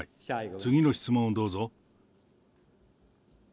次の質問をどうぞ。